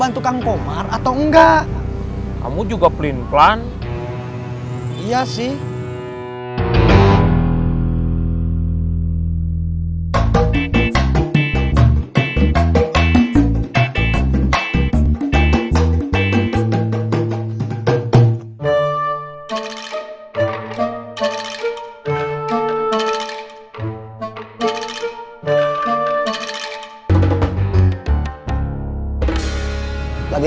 jangan pelin pelan atu